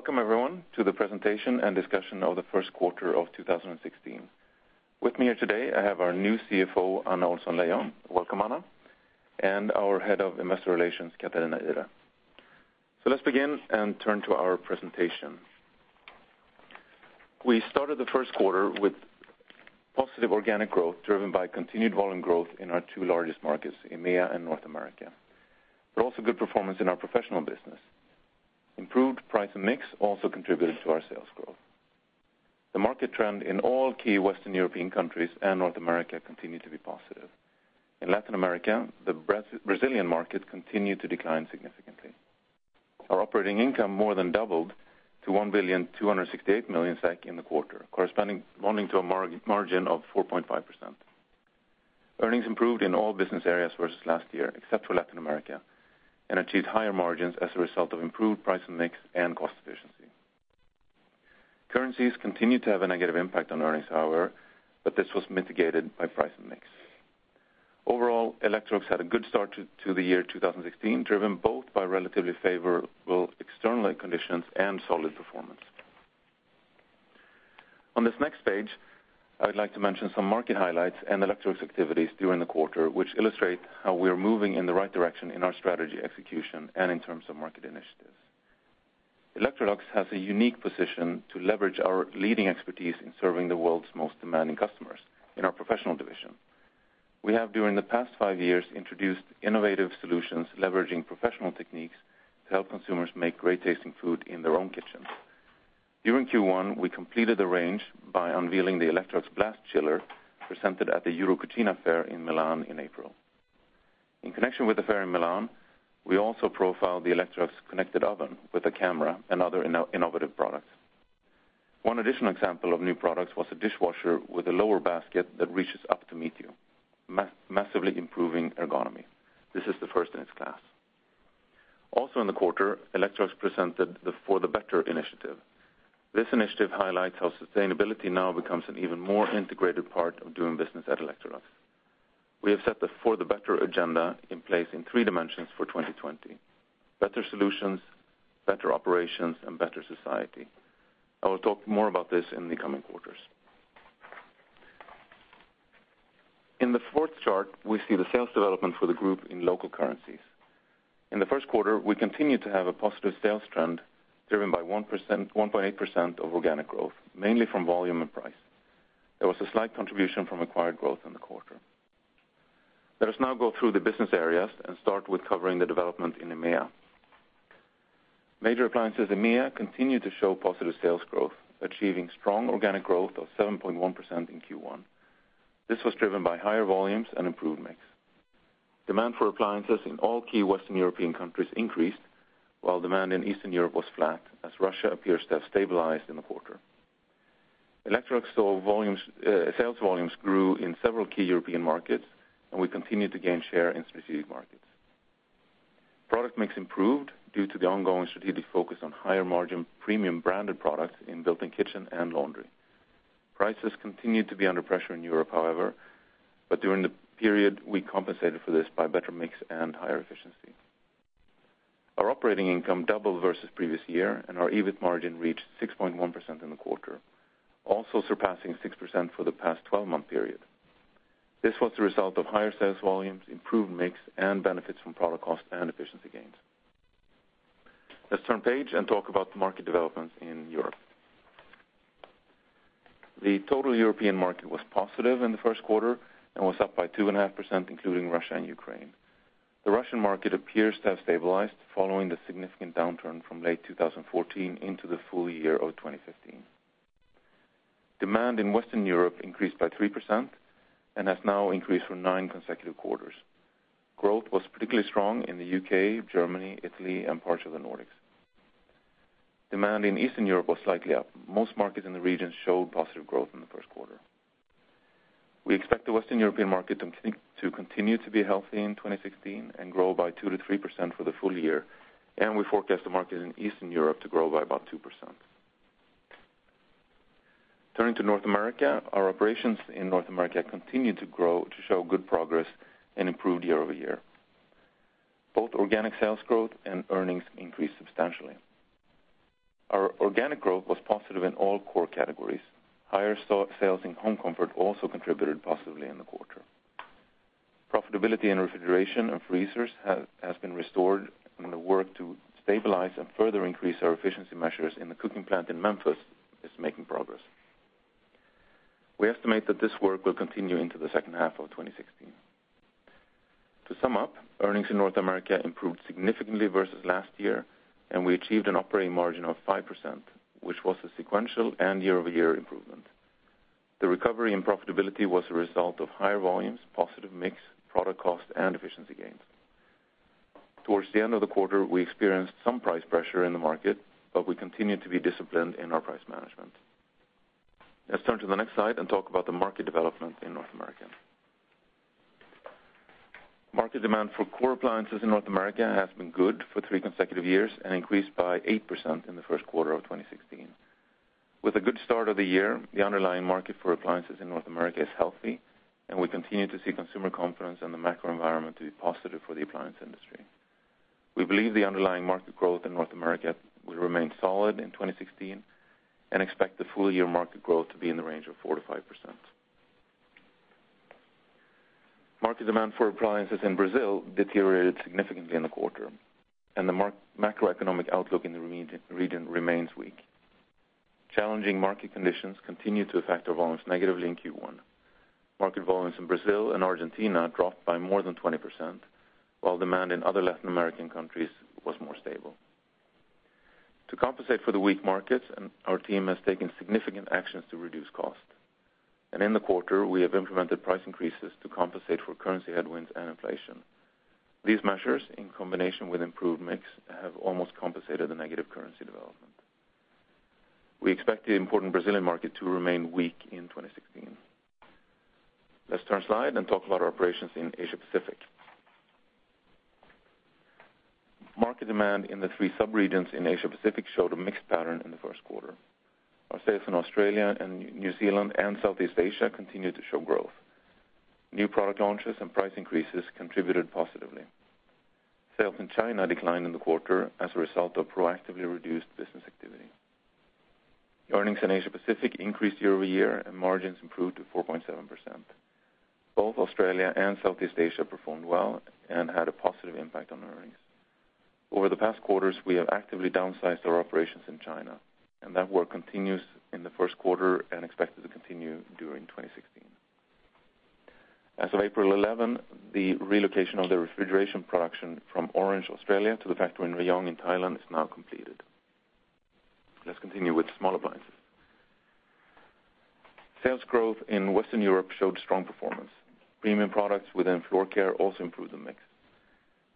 Welcome everyone, to the presentation and discussion of the first quarter of 2016. With me here today, I have our new CFO, Anna Ohlsson-Leijon. Welcome, Anna, and our Head of Investor Relations, Catarina Ihre. Let's begin and turn to our presentation. We started the first quarter with positive organic growth, driven by continued volume growth in our two largest markets, EMEA and North America, but also good performance in our professional business. Improved price and mix also contributed to our sales growth. The market trend in all key Western European countries and North America continue to be positive. In Latin America, the Brazilian market continued to decline significantly. Our operating income more than doubled to 1,268 million SEK in the quarter, corresponding, amounting to a margin of 4.5%. Earnings improved in all business areas versus last year, except for Latin America, and achieved higher margins as a result of improved price and mix and cost efficiency. Currencies continued to have a negative impact on earnings, however, but this was mitigated by price and mix. Overall, Electrolux had a good start to the year 2016, driven both by relatively favorable external conditions and solid performance. On this next page, I would like to mention some market highlights and Electrolux activities during the quarter, which illustrate how we are moving in the right direction in our strategy execution and in terms of market initiatives. Electrolux has a unique position to leverage our leading expertise in serving the world's most demanding customers in our professional division. We have, during the past five years, introduced innovative solutions, leveraging professional techniques to help consumers make great-tasting food in their own kitchens. During Q1, we completed the range by unveiling the Electrolux Blast Chiller, presented at the EuroCucina Fair in Milan in April. In connection with the fair in Milan, we also profiled the Electrolux Connected Oven with a camera and other innovative products. One additional example of new products was a dishwasher with a lower basket that reaches up to meet you, massively improving ergonomy. This is the first in its class. Also in the quarter, Electrolux presented the For the Better initiative. This initiative highlights how sustainability now becomes an even more integrated part of doing business at Electrolux. We have set the For the Better agenda in place in three dimensions for 2020: better solutions, better operations, and better society. I will talk more about this in the coming quarters. In the fourth chart, we see the sales development for the group in local currencies. In the first quarter, we continued to have a positive sales trend, driven by 1.8% of organic growth, mainly from volume and price. There was a slight contribution from acquired growth in the quarter. Let us now go through the business areas and start with covering the development in EMEA. Major appliances, EMEA continued to show positive sales growth, achieving strong organic growth of 7.1% in Q1. This was driven by higher volumes and improved mix. Demand for appliances in all key Western European countries increased, while demand in Eastern Europe was flat, as Russia appears to have stabilized in the quarter. Electrolux saw volumes, sales volumes grew in several key European markets, and we continued to gain share in specific markets. Product mix improved due to the ongoing strategic focus on higher-margin, premium branded products in built-in kitchen and laundry. Prices continued to be under pressure in Europe, however, but during the period, we compensated for this by better mix and higher efficiency. Our operating income doubled versus previous year, and our EBIT margin reached 6.1% in the quarter, also surpassing 6% for the past twelve-month period. This was the result of higher sales volumes, improved mix, and benefits from product cost and efficiency gains. Let's turn page and talk about the market developments in Europe. The total European market was positive in the first quarter and was up by 2.5%, including Russia and Ukraine. The Russian market appears to have stabilized following the significant downturn from late 2014 into the full year of 2015. Demand in Western Europe increased by 3% and has now increased for nine consecutive quarters. Growth was particularly strong in the UK, Germany, Italy, and parts of the Nordics. Demand in Eastern Europe was slightly up. Most markets in the region showed positive growth in the first quarter. We expect the Western European market to continue to be healthy in 2016 and grow by 2%-3% for the full year. We forecast the market in Eastern Europe to grow by about 2%. Turning to North America, our operations in North America continued to grow, to show good progress and improved year-over-year. Both organic sales growth and earnings increased substantially. Our organic growth was positive in all core categories. Higher sales in home comfort also contributed positively in the quarter. Profitability and refrigeration of freezers has been restored, and the work to stabilize and further increase our efficiency measures in the cooking plant in Memphis is making progress. We estimate that this work will continue into the second half of 2016. To sum up, earnings in North America improved significantly versus last year, and we achieved an operating margin of 5%, which was a sequential and year-over-year improvement. The recovery in profitability was a result of higher volumes, positive mix, product cost, and efficiency gains. Towards the end of the quarter, we experienced some price pressure in the market, but we continued to be disciplined in our price management. Let's turn to the next slide and talk about the market development in North America. Market demand for core appliances in North America has been good for three consecutive years and increased by 8% in the first quarter of 2016. With a good start of the year, the underlying market for appliances in North America is healthy, and we continue to see consumer confidence and the macro environment to be positive for the appliance industry. We believe the underlying market growth in North America will remain solid in 2016, and expect the full year market growth to be in the range of 4%-5%. Market demand for appliances in Brazil deteriorated significantly in the quarter, and the macroeconomic outlook in the region remains weak. Challenging market conditions continue to affect our volumes negatively in Q1. Market volumes in Brazil and Argentina dropped by more than 20%, while demand in other Latin American countries was more stable. To compensate for the weak markets, our team has taken significant actions to reduce cost. In the quarter, we have implemented price increases to compensate for currency headwinds and inflation. These measures, in combination with improved mix, have almost compensated the negative currency development. We expect the important Brazilian market to remain weak in 2016. Let's turn slide and talk about our operations in Asia Pacific. Market demand in the three sub-regions in Asia Pacific showed a mixed pattern in the first quarter. Our sales in Australia and New Zealand and Southeast Asia continued to show growth. New product launches and price increases contributed positively. Sales in China declined in the quarter as a result of proactively reduced business activity. Earnings in Asia Pacific increased year-over-year, and margins improved to 4.7%. Both Australia and Southeast Asia performed well and had a positive impact on earnings. Over the past quarters, we have actively downsized our operations in China, and that work continues in the first quarter and expected to continue during 2016. As of April 11, the relocation of the refrigeration production from Orange, Australia, to the factory in Rayong, in Thailand, is now completed. Let's continue with small appliances. Sales growth in Western Europe showed strong performance. Premium products within floor care also improved the mix.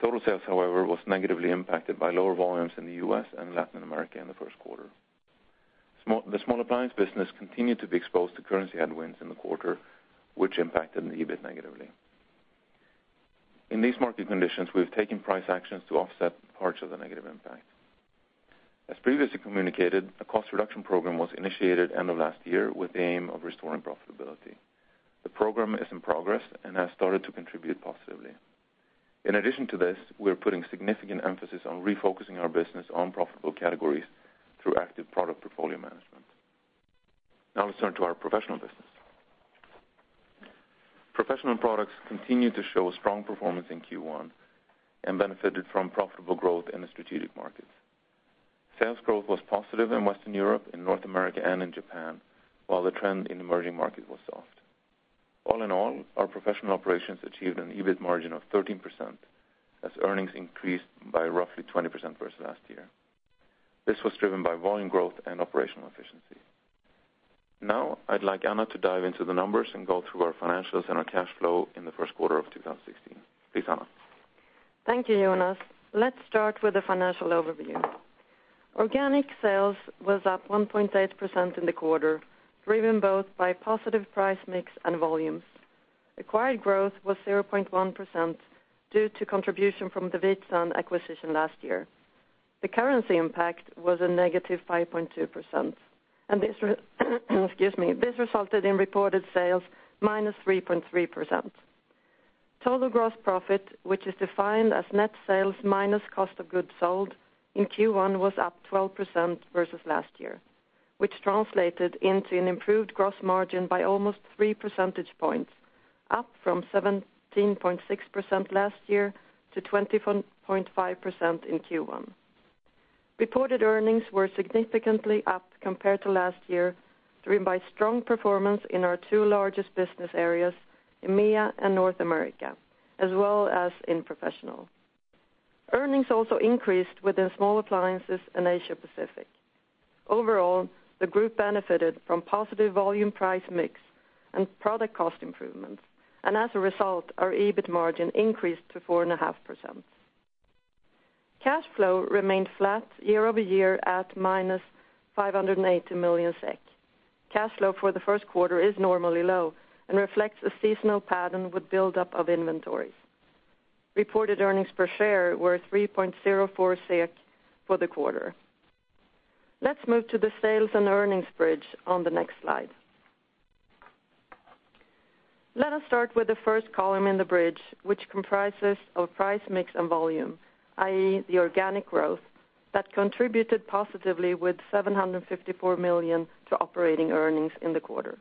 Total sales, however, was negatively impacted by lower volumes in the U.S. and Latin America in the first quarter. The small appliance business continued to be exposed to currency headwinds in the quarter, which impacted the EBIT negatively. In these market conditions, we've taken price actions to offset parts of the negative impact. As previously communicated, a cost reduction program was initiated end of last year with the aim of restoring profitability. The program is in progress and has started to contribute positively. In addition to this, we are putting significant emphasis on refocusing our business on profitable categories through active product portfolio management. Let's turn to our professional business. Professional products continued to show a strong performance in Q1 and benefited from profitable growth in the strategic markets. Sales growth was positive in Western Europe, in North America, and in Japan, while the trend in emerging markets was soft. All in all, our professional operations achieved an EBIT margin of 13%, as earnings increased by roughly 20% versus last year. This was driven by volume growth and operational efficiency. I'd like Anna to dive into the numbers and go through our financials and our cash flow in the first quarter of 2016. Please, Anna. Thank you, Jonas. Let's start with the financial overview. Organic sales was up 1.8% in the quarter, driven both by positive price mix and volumes. Acquired growth was 0.1% due to contribution from the Veetsan acquisition last year. The currency impact was a negative 5.2%, and this, excuse me, this resulted in reported sales -3.3%. Total gross profit, which is defined as net sales minus cost of goods sold, in Q1, was up 12% versus last year, which translated into an improved gross margin by almost three percentage points, up from 17.6% last year to 21.5% in Q1. Reported earnings were significantly up compared to last year, driven by strong performance in our two largest business areas, EMEA and North America, as well as in professional. Earnings also increased within small appliances in Asia Pacific. Overall, the group benefited from positive volume price mix and product cost improvements. As a result, our EBIT margin increased to 4.5%. Cash flow remained flat year-over-year at -580 million SEK. Cash flow for the first quarter is normally low and reflects a seasonal pattern with buildup of inventories. Reported earnings per share were 3.04 SEK for the quarter. Let's move to the sales and earnings bridge on the next slide. Let us start with the first column in the bridge, which comprises of price, mix, and volume, i.e., the organic growth, that contributed positively with 754 million to operating earnings in the quarter.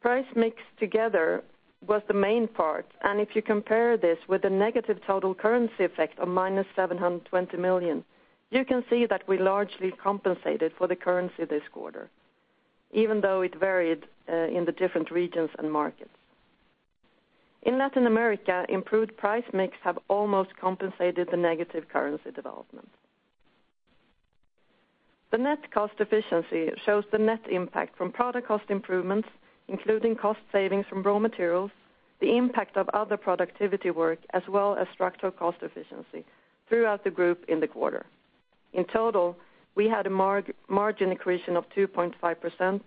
Price mix together was the main part. If you compare this with a negative total currency effect of -720 million, you can see that we largely compensated for the currency this quarter, even though it varied in the different regions and markets. In Latin America, improved price mix have almost compensated the negative currency development. The net cost efficiency shows the net impact from product cost improvements, including cost savings from raw materials, the impact of other productivity work, as well as structural cost efficiency throughout the group in the quarter. In total, we had a margin increase of 2.5%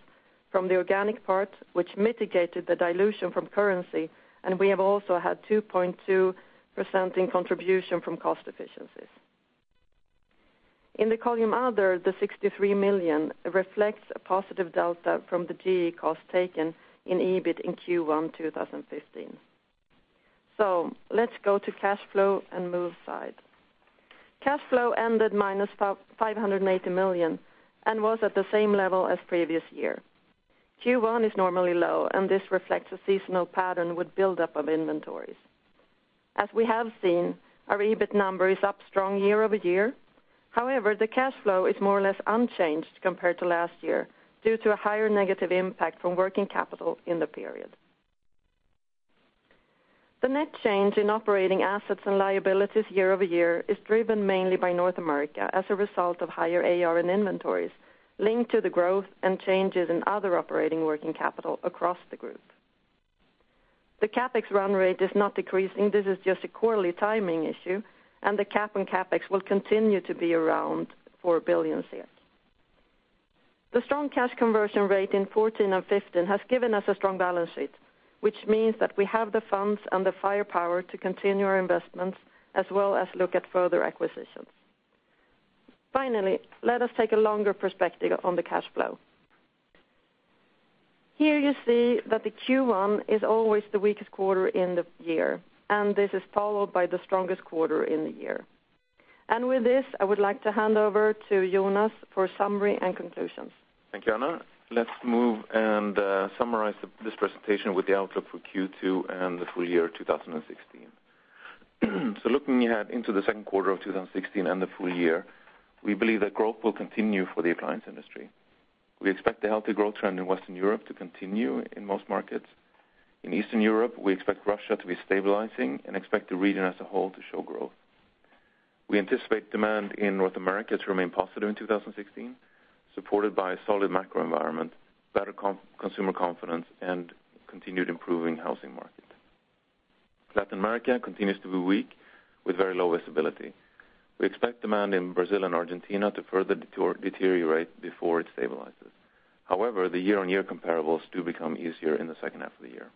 from the organic part, which mitigated the dilution from currency. We have also had 2.2% in contribution from cost efficiencies. In the column other, the 63 million reflects a positive delta from the GE cost taken in EBIT in Q1 2015. Let's go to cash flow and move side. Cash flow ended minus 580 million and was at the same level as previous year. Q1 is normally low, and this reflects a seasonal pattern with buildup of inventories. As we have seen, our EBIT number is up strong year-over-year. However, the cash flow is more or less unchanged compared to last year due to a higher negative impact from working capital in the period. The net change in operating assets and liabilities year-over-year is driven mainly by North America as a result of higher AR in inventories linked to the growth and changes in other operating working capital across the group. The CapEx run rate is not decreasing, this is just a quarterly timing issue, and the cap on CapEx will continue to be around 4 billion. The strong cash conversion rate in 2014 and 2015 has given us a strong balance sheet, which means that we have the funds and the firepower to continue our investments, as well as look at further acquisitions. Finally, let us take a longer perspective on the cash flow. Here you see that the Q1 is always the weakest quarter in the year, and this is followed by the strongest quarter in the year. With this, I would like to hand over to Jonas for summary and conclusions. Thank you, Anna. Let's move and summarize this presentation with the outlook for Q2 and the full year, 2016. Looking ahead into the second quarter of 2016 and the full year, we believe that growth will continue for the appliance industry. We expect the healthy growth trend in Western Europe to continue in most markets. In Eastern Europe, we expect Russia to be stabilizing and expect the region as a whole to show growth. We anticipate demand in North America to remain positive in 2016, supported by a solid macro environment, better consumer confidence, and continued improving housing market. Latin America continues to be weak with very low visibility. We expect demand in Brazil and Argentina to further deteriorate before it stabilizes. The year-on-year comparables do become easier in the second half of the year.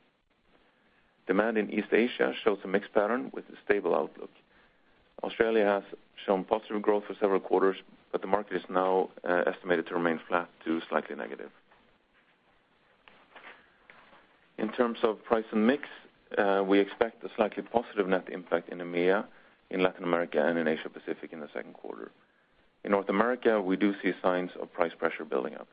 Demand in East Asia shows a mixed pattern with a stable outlook. Australia has shown positive growth for several quarters, the market is now estimated to remain flat to slightly negative. In terms of price and mix, we expect a slightly positive net impact in EMEA, in Latin America, and in Asia Pacific in the second quarter. In North America, we do see signs of price pressure building up.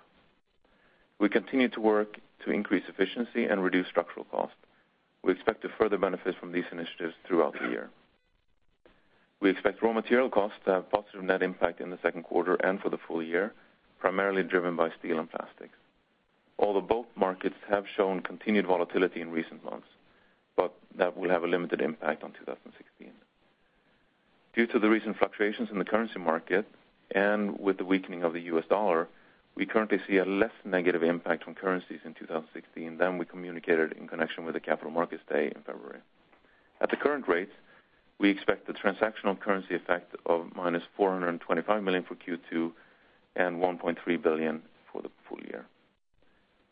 We continue to work to increase efficiency and reduce structural costs. We expect to further benefit from these initiatives throughout the year. We expect raw material costs to have positive net impact in the second quarter and for the full year, primarily driven by steel and plastics. Although both markets have shown continued volatility in recent months, but that will have a limited impact on 2016. Due to the recent fluctuations in the currency market, with the weakening of the US dollar, we currently see a less negative impact on currencies in 2016 than we communicated in connection with the Capital Markets Day in February. At the current rate, we expect the transactional currency effect of -425 million for Q2, and 1.3 billion for the full year.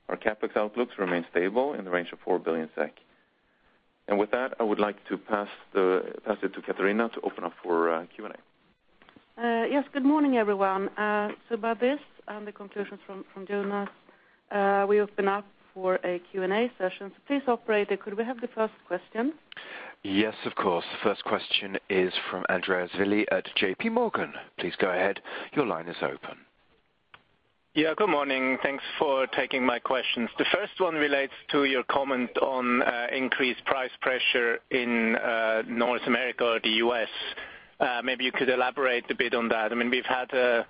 Our CapEx outlooks remain stable in the range of 4 billion SEK. With that, I would like to pass it to Catarina to open up for Q&A. Yes, good morning, everyone. By this and the conclusions from Jonas, we open up for a Q&A session. Please, operator, could we have the first question? Yes, of course. First question is from Andreas Willi at JPMorgan. Please go ahead. Your line is open. Yeah, good morning. Thanks for taking my questions. The first one relates to your comment on increased price pressure in North America or the US. Maybe you could elaborate a bit on that. I mean, we've had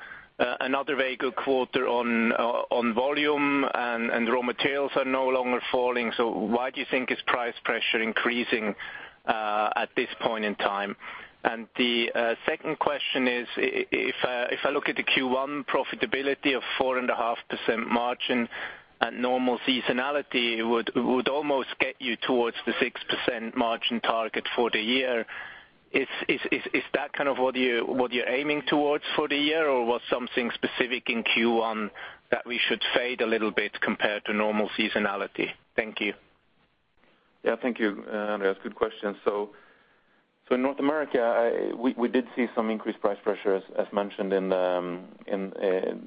another very good quarter on volume and raw materials are no longer falling. Why do you think is price pressure increasing at this point in time? The second question is, if I look at the Q1 profitability of 4.5% margin at normal seasonality, would almost get you towards the 6% margin target for the year. Is that kind of what you, what you're aiming towards for the year, or was something specific in Q1 that we should fade a little bit compared to normal seasonality? Thank you. Yeah, thank you, Andreas. Good question. In North America, We did see some increased price pressures, as mentioned in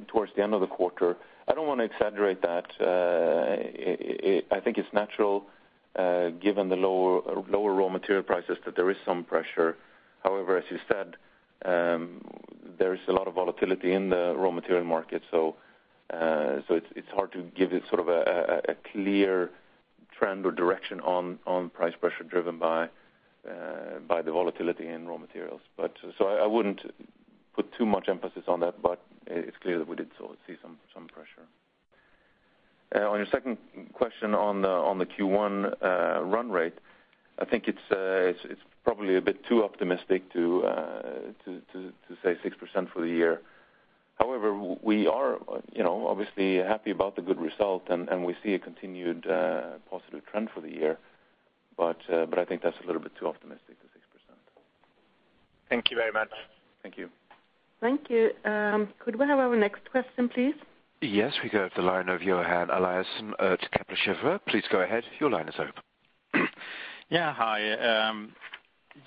towards the end of the quarter. I don't want to exaggerate that. I think it's natural, given the lower raw material prices, that there is some pressure. However, as you said, there is a lot of volatility in the raw material market. It's hard to give you sort of a clear trend or direction on price pressure driven by the volatility in raw materials. I wouldn't put too much emphasis on that, but it's clear that we did see some pressure. On your second question on the Q1 run rate, I think it's probably a bit too optimistic to say 6% for the year. However, we are, you know, obviously happy about the good result, and we see a continued positive trend for the year. I think that's a little bit too optimistic to say. Thank you very much. Thank you. Thank you. Could we have our next question, please? Yes, we go to the line of Johan Eliasson at Kepler Cheuvreux. Please go ahead. Your line is open. Hi.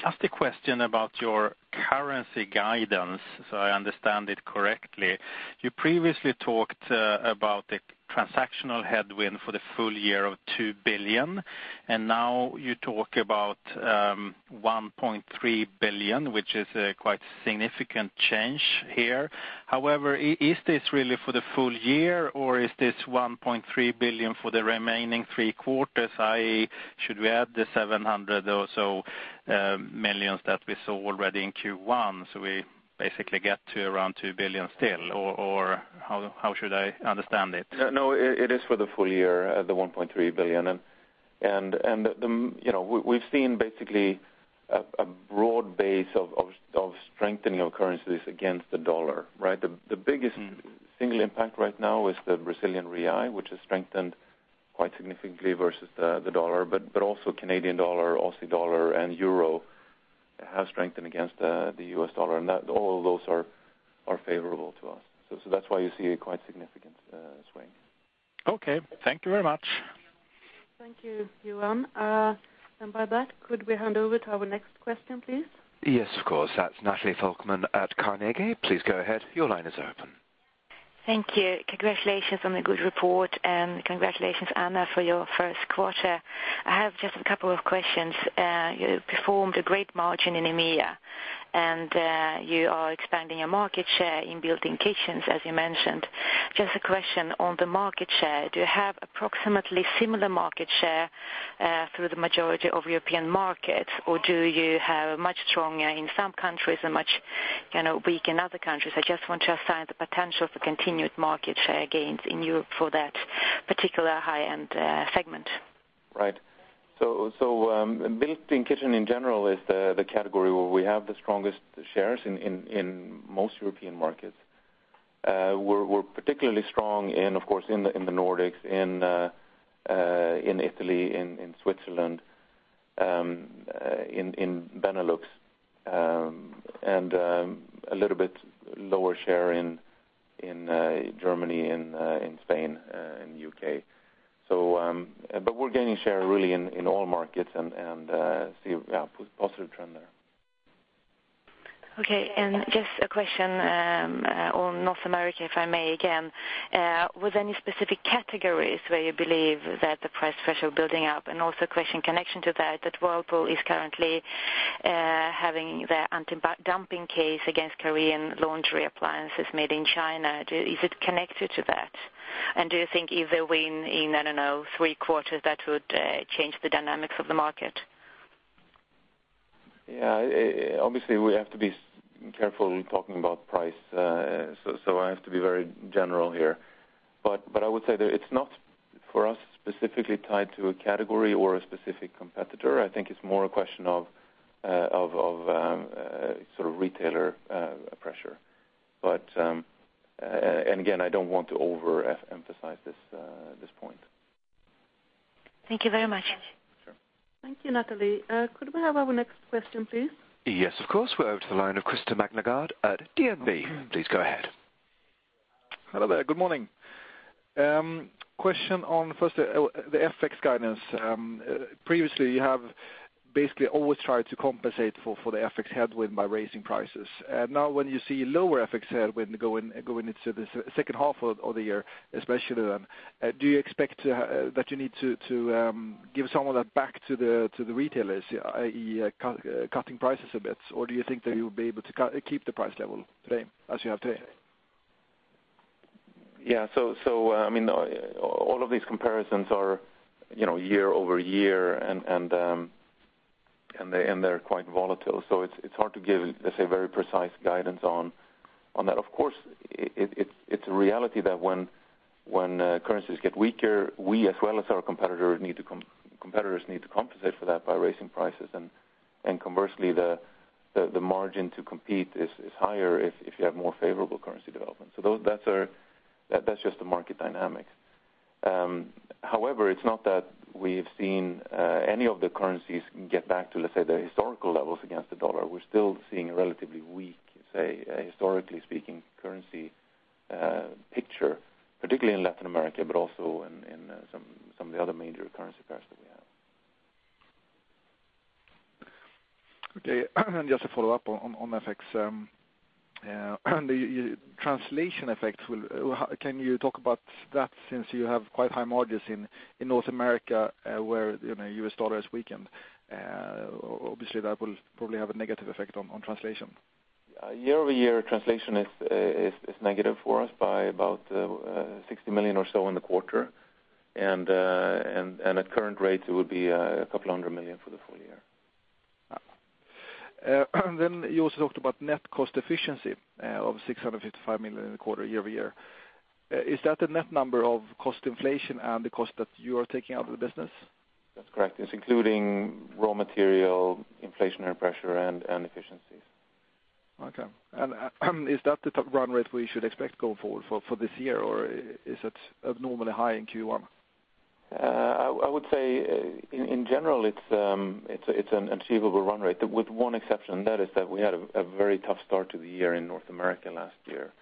Just a question about your currency guidance, so I understand it correctly. You previously talked about the transactional headwind for the full year of 2 billion, and now you talk about 1.3 billion, which is a quite significant change here. However, is this really for the full year, or is this 1.3 billion for the remaining three quarters? Should we add the 700 million that we saw already in Q1, so we basically get to around 2 billion still, or how should I understand it? No, it is for the full year, the $1.3 billion. And the, you know, we've seen basically a broad base of strengthening of currencies against the dollar, right? The biggest- Mm-hmm. Single impact right now is the Brazilian real, which has strengthened quite significantly versus the dollar, but also Canadian dollar, Aussie dollar, and euro have strengthened against the US dollar, and that all those are favorable to us. That's why you see a quite significant swing. Okay. Thank you very much. Thank you, Johan. By that, could we hand over to our next question, please? Yes, of course. That's Nathalie Ahlström at Carnegie. Please go ahead. Your line is open. Thank you. Congratulations on the good report, congratulations, Anna, for your first quarter. I have just a couple of questions. You performed a great margin in EMEA, and you are expanding your market share in built-in kitchens, as you mentioned. Just a question on the market share: Do you have approximately similar market share through the majority of European markets, or do you have much stronger in some countries and much, you know, weak in other countries? I just want to assign the potential for continued market share gains in Europe for that particular high-end segment. Right. Built-in kitchen in general is the category where we have the strongest shares in most European markets. We're particularly strong in, of course, in the Nordics, in Italy, in Switzerland, in Benelux, and a little bit lower share in Germany, in Spain, and UK. We're gaining share really in all markets and see a positive trend there. Okay. Just a question on North America, if I may again. Was any specific categories where you believe that the price pressure building up? Also a question in connection to that Whirlpool is currently having their anti-dumping case against Korean laundry appliances made in China. Is it connected to that? Do you think if they win in, I don't know, three quarters, that would change the dynamics of the market? Yeah, obviously, we have to be careful talking about price, so I have to be very general here. I would say that it's not, for us, specifically tied to a category or a specific competitor. I think it's more a question of retailer pressure. Again, I don't want to overemphasize this point. Thank you very much. Sure. Thank you, Nathalie. Could we have our next question, please? Yes, of course. We're over to the line of Christer Magnergård at DNB. Please go ahead. Hello there. Good morning. Question on, first, the FX guidance. Previously, you have basically always tried to compensate for the FX headwind by raising prices. Now, when you see lower FX headwind going into the second half of the year, especially then, do you expect that you need to give some of that back to the retailers, i.e., cutting prices a bit? Or do you think that you'll be able to keep the price level today, as you have today? I mean, all of these comparisons are, you know, year-over-year, and they're quite volatile, so it's hard to give, let's say, very precise guidance on that. Of course, it's a reality that when currencies get weaker, we, as well as our competitors, need to compensate for that by raising prices. Conversely, the margin to compete is higher if you have more favorable currency development. Those, that's a, that's just the market dynamics. However, it's not that we've seen any of the currencies get back to, let's say, the historical levels against the dollar. We're still seeing a relatively weak, say, historically speaking, currency picture, particularly in Latin America, but also in some of the other major currency pairs that we have. Okay. Just to follow up on FX, how can you talk about that since you have quite high margins in North America, where, you know, U.S. dollar has weakened, obviously, that will probably have a negative effect on translation? Year-over-year translation is negative for us by about 60 million or so in the quarter. At current rates, it will be SEK a couple hundred million for the full year. You also talked about net cost efficiency, of 655 million in the quarter, year-over-year? Is that the net number of cost inflation and the cost that you are taking out of the business? That's correct. It's including raw material, inflationary pressure, and efficiencies. Okay. Is that the top run rate we should expect going forward for this year, or is it abnormally high in Q1?... I would say, in general, it's an achievable run rate, with one exception, that is that we had a very tough start to the year in North America last year.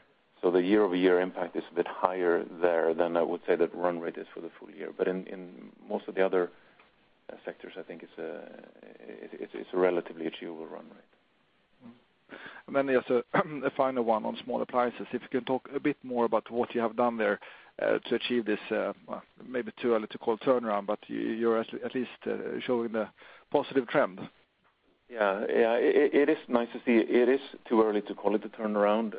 The year-over-year impact is a bit higher there than I would say the run rate is for the full year. In most of the other sectors, I think it's a relatively achievable run rate. Mm-hmm. Then there's a final one on small appliances. If you can talk a bit more about what you have done there to achieve this, well, maybe too early to call turnaround, but you're at least showing a positive trend. Yeah. Yeah, it is nice to see. It is too early to call it a turnaround.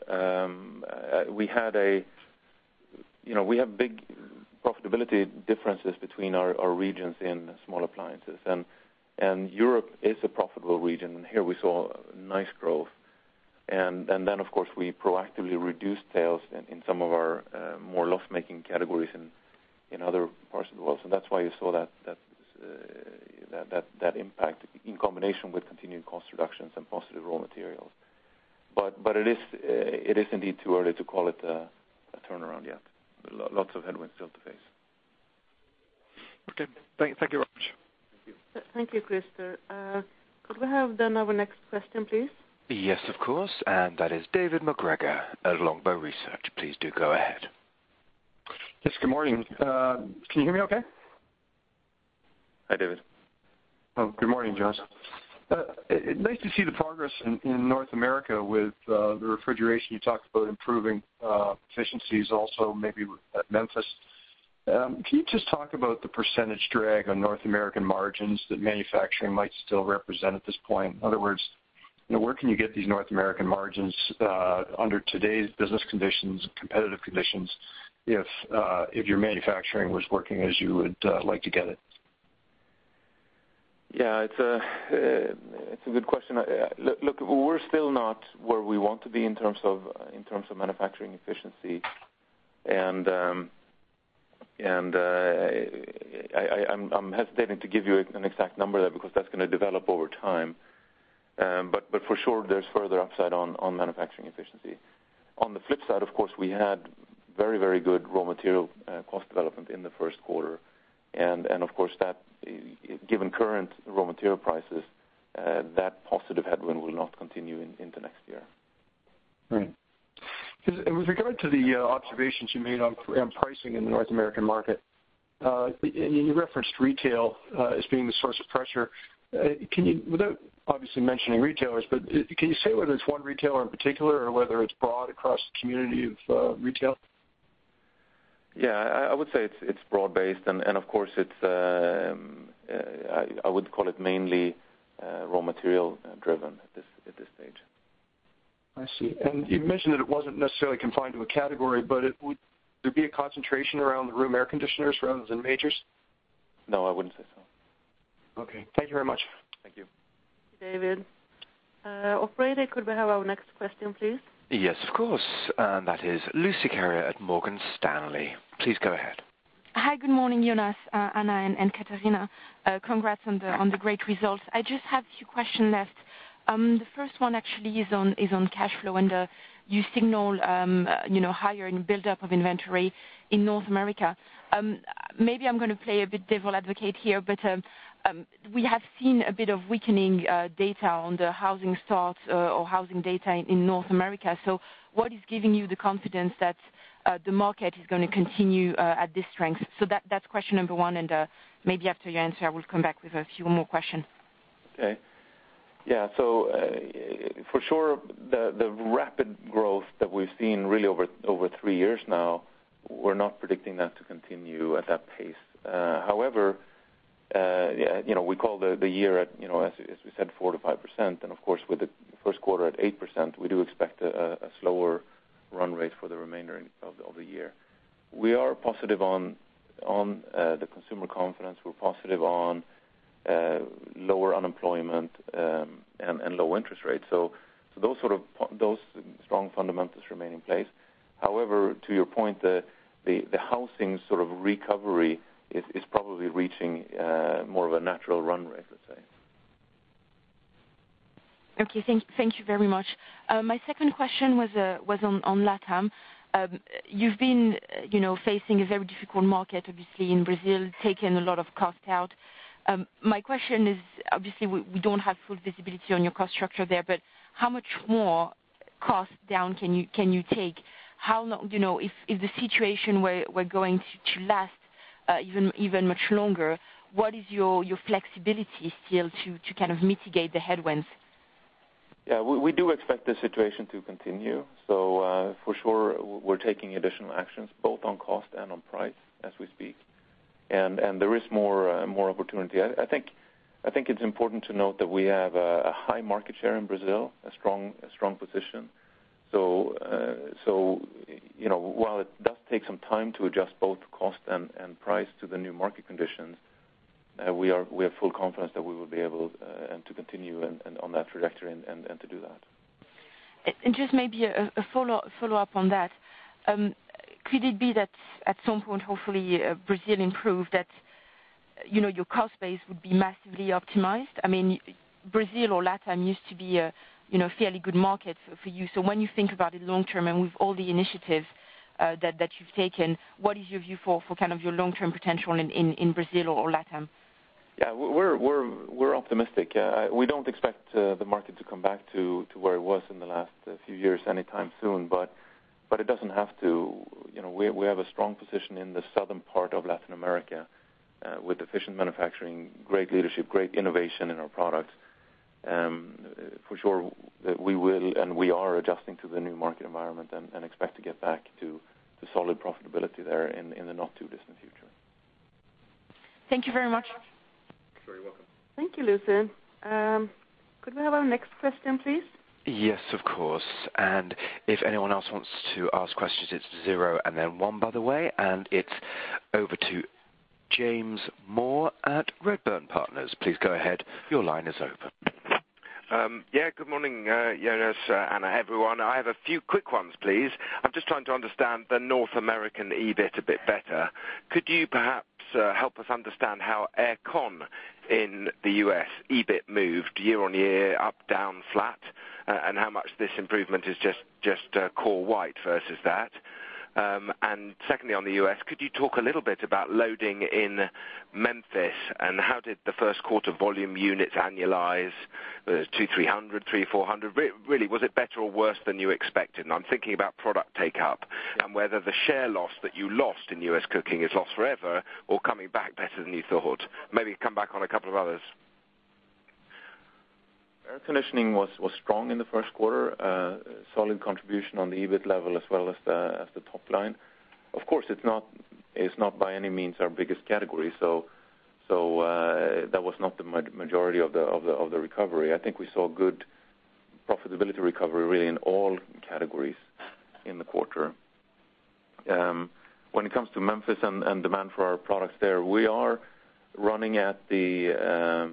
you know, we have big profitability differences between our regions in small appliances, and Europe is a profitable region. Here we saw nice growth. Then, of course, we proactively reduced sales in some of our more loss-making categories in other parts of the world, so that's why you saw that impact in combination with continued cost reductions and positive raw materials. It is indeed too early to call it a turnaround yet. lots of headwinds still to face. Okay. Thank you very much. Thank you. Thank you, Christer. Could we have then our next question, please? Yes, of course, that is David MacGregor at Longbow Research. Please do go ahead. Yes, good morning. Can you hear me okay? Hi, David. Good morning, Jonas. Nice to see the progress in North America with the refrigeration. You talked about improving efficiencies also maybe at Memphis. Can you just talk about the % drag on North American margins that manufacturing might still represent at this point? In other words, you know, where can you get these North American margins under today's business conditions, competitive conditions, if your manufacturing was working as you would like to get it? Yeah, it's a good question. Look, we're still not where we want to be in terms of manufacturing efficiency. I'm hesitating to give you an exact number there because that's gonna develop over time. But for sure, there's further upside on manufacturing efficiency. On the flip side, of course, we had very good raw material cost development in the first quarter, and of course, that, given current raw material prices, that positive headwind will not continue into next year. Right. With regard to the observations you made on pricing in the North American market, and you referenced retail as being the source of pressure. Can you, without obviously mentioning retailers, but can you say whether it's one retailer in particular or whether it's broad across the community of retail? Yeah. I would say it's broad-based, and of course, it's, I would call it mainly, raw material-driven at this stage. I see. You mentioned that it wasn't necessarily confined to a category, but would there be a concentration around the room air conditioners rather than majors? No, I wouldn't say so. Okay. Thank you very much. Thank you. Thank you, David. operator, could we have our next question, please? Yes, of course, that is Lucie Carrier at Morgan Stanley. Please go ahead. Hi, good morning, Jonas, Anna, and Catarina. Congrats on the great results. I just have a few questions left. The first one actually is on cash flow, and you signal, you know, higher in buildup of inventory in North America. Maybe I'm gonna play a bit devil's advocate here, but we have seen a bit of weakening data on the housing starts or housing data in North America. What is giving you the confidence that the market is gonna continue at this strength? That's question number 1, and maybe after you answer, I will come back with a few more questions. Okay. Yeah, for sure, the rapid growth that we've seen really over three years now, we're not predicting that to continue at that pace. However, you know, we call the year at, you know, as we said, 4%-5%, and of course, with the 1st quarter at 8%, we do expect a slower run rate for the remainder of the, of the year. We are positive on, the consumer confidence. We're positive on, lower unemployment, and low interest rates. Those sort of, those strong fundamentals remain in place. However, to your point, the, the housing sort of recovery is probably reaching, more of a natural run rate, let's say. Okay. Thank you very much. My second question was on Latam. You've been, you know, facing a very difficult market, obviously, in Brazil, taking a lot of cost out. My question is, obviously, we don't have full visibility on your cost structure there, but how much more cost down can you take? How long... You know, if the situation we're going to last even much longer, what is your flexibility still to kind of mitigate the headwinds? Yeah, we do expect the situation to continue. For sure, we're taking additional actions both on cost and on price as we speak. There is more opportunity. I think it's important to note that we have a high market share in Brazil, a strong position. You know, while it does take some time to adjust both cost and price to the new market conditions, we have full confidence that we will be able and to continue on that trajectory and to do that. Just maybe a follow-up on that. Could it be that at some point, hopefully, Brazil improve that, you know, your cost base would be massively optimized? I mean, Brazil or LatAm used to be a, you know, fairly good market for you. When you think about it long term and with all the initiatives that you've taken, what is your view for kind of your long-term potential in Brazil or LatAm? We're optimistic. We don't expect the market to come back to where it was in the last few years, anytime soon, but it doesn't have to. You know, we have a strong position in the southern part of Latin America, with efficient manufacturing, great leadership, great innovation in our products. For sure, we will, and we are adjusting to the new market environment and expect to get back to the solid profitability there in the not too distant future. Thank you very much. You're very welcome. Thank you, Lucie Carrier. could we have our next question, please? Yes, of course. If anyone else wants to ask questions, it's 0 and then one, by the way. It's over to James Moore at Redburn Partners. Please go ahead. Your line is open. Yeah, good morning, Jonas and everyone. I have a few quick ones, please. I'm just trying to understand the North American EBIT a bit better. Could you perhaps help us understand how air con in the U.S., EBIT moved year-on-year, up, down, flat, and how much this improvement is just core white versus that? Secondly, on the U.S., could you talk a little bit about loading in Memphis, and how did the first quarter volume units annualize? Was it 200-300, 300-400? Really, was it better or worse than you expected? I'm thinking about product take-up, and whether the share loss that you lost in U.S. cooking is lost forever or coming back better than you thought. Maybe come back on a couple of others. Air conditioning was strong in the first quarter. Solid contribution on the EBIT level as well as the top line. Of course, it's not by any means our biggest category, so that was not the majority of the recovery. I think we saw good profitability recovery, really, in all categories in the quarter. When it comes to Memphis and demand for our products there, we are running at the,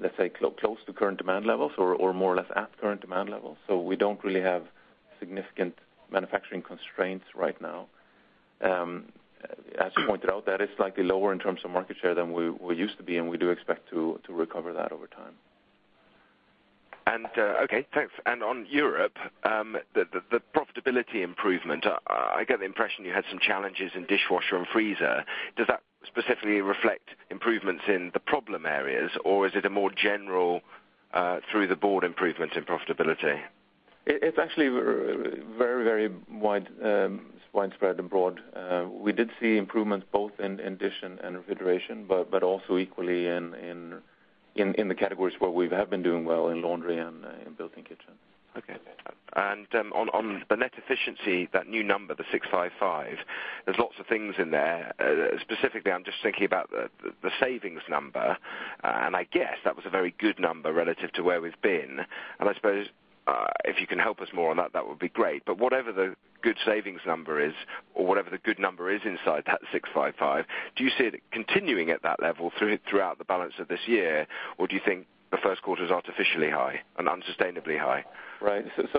let's say, close to current demand levels or more or less at current demand levels, so we don't really have significant manufacturing constraints right now. As you pointed out, that is slightly lower in terms of market share than we used to be, and we do expect to recover that over time. Okay, thanks. On Europe, the profitability improvement, I get the impression you had some challenges in dishwasher and freezer. Does that specifically reflect improvements in the problem areas, or is it a more general, through the board improvements in profitability? It's actually very, very wide, widespread and broad. We did see improvements both in dish and refrigeration, but also equally in the categories where we have been doing well in laundry and in built-in kitchen. Okay. On the net efficiency, that new number, the 655, there's lots of things in there. Specifically, I'm just thinking about the savings number, and I guess that was a very good number relative to where we've been. I suppose, if you can help us more on that would be great. Whatever the good savings number is or whatever the good number is inside that 655, do you see it continuing at that level throughout the balance of this year, or do you think the first quarter is artificially high and unsustainably high? Right. first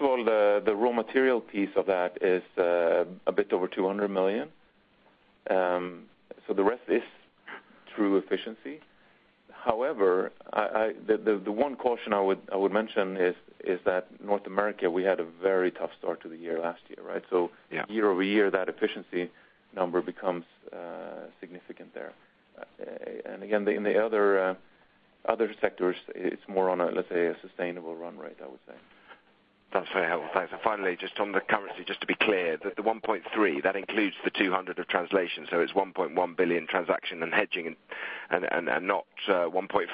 of all, the raw material piece of that is a bit over 200 million. The rest is true efficiency. However, I The one caution I would mention is that North America, we had a very tough start to the year last year, right? Yeah. Year-over-year, that efficiency number becomes significant there. Again, in the other sectors, it's more on a, let's say, a sustainable run rate, I would say. That's very helpful. Thanks. Finally, just on the currency, just to be clear, the 1.3, that includes the 200 of translation, so it's 1.1 billion transaction and hedging and not 1.5?